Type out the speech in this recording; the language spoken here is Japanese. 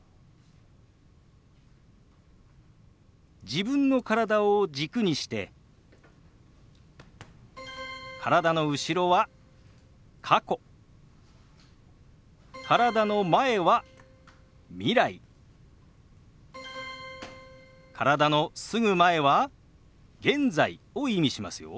自分の体を軸にして体の後ろは過去体の前は未来体のすぐ前は現在を意味しますよ。